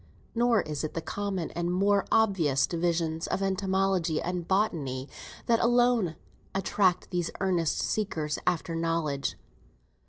Nor is it the common and more obvious divisions of Entomology and Botany that alone attract these earnest seekers after knowledge.